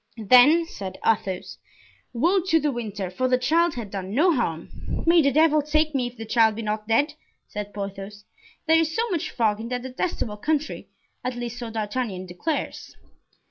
"Then," said Athos, "woe to De Winter, for the child had done no harm." "May the devil take me, if the child be not dead," said Porthos. "There is so much fog in that detestable country, at least so D'Artagnan declares."